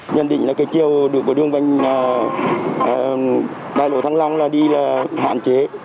nhân định là cái chiều đường của đường vành đài lộ thắng lăng là đi là hoạn chế